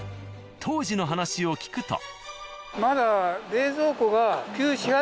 当時の話を聞くと。